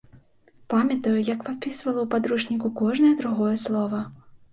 Памятаю, як падпісвала ў падручніку кожнае другое слова.